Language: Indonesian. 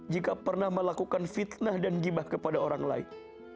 jika pernah melakukan fitnah dan gibah kepada orang lain